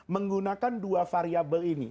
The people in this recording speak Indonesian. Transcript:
menggunakan dua variable ini